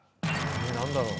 ・何だろう？